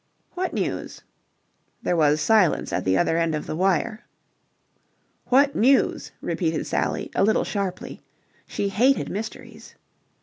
"What news?" There was silence at the other end of the wire. "What news?" repeated Sally, a little sharply. She hated mysteries.